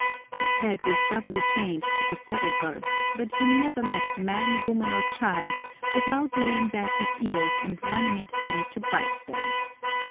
His head was doubly chained to the saddle girth, but he never met man, woman, or child, without laying back his ears and running at them to bite them.